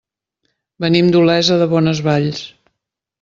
Venim d'Olesa de Bonesvalls.